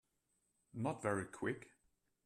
Not very Quick.